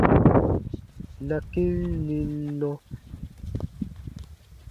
Na kĩ n nim nɔ.